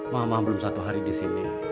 mama belum satu hari disini